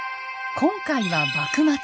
今回は「幕末」。